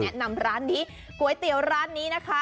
แนะนำร้านนี้ก๋วยเตี๋ยวร้านนี้นะคะ